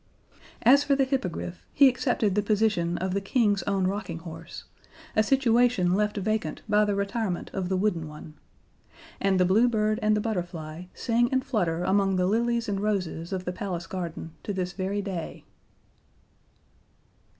As for the Hippogriff, he accepted the position of the King's Own Rocking Horse a situation left vacant by the retirement of the wooden one. And the Blue Bird and the Butterfly sing and flutter among the lilies and roses of the Palace garden to this very day.